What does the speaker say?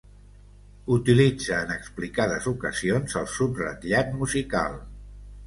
Utilitza en explicades ocasions el subratllat musical.